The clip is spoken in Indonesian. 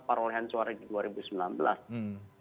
perolehan suara di dua ribu sembilan belas